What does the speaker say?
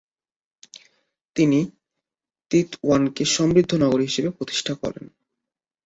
তিনি তিতওয়ানকে সমৃদ্ধ নগরী হিসেবে প্রতিষ্ঠা করেন।